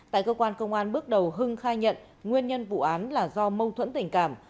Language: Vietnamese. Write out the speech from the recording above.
tại cơ quan công an bước đầu hưng khai nhận nguyên nhân vụ án là do mâu thuẫn tình cảm